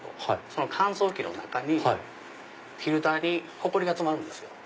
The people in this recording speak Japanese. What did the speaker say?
その乾燥機の中フィルターにほこりが詰まるんですよ。